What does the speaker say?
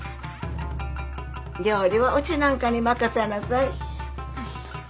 料理はうちなんかに任せなさい。